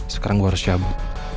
sekarang gua harus cabut